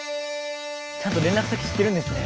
ちゃんと連絡先知ってるんですね。